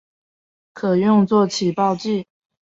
可用作起爆剂。